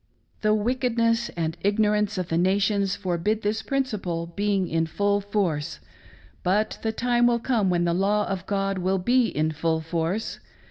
" The wickedness and ignorance of the nations forbid this principle being in fulj force, but the time will come when the law of God will be in full force.